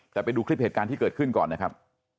แต่ไปดูคลิปเหตุการณ์ที่เกิดขึ้นก่อนนะครับ